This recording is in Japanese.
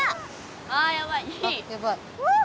あやばい。